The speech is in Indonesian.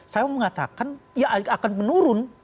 saya mengatakan ya akan menurun